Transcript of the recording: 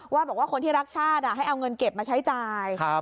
บอกว่าคนที่รักชาติให้เอาเงินเก็บมาใช้จ่าย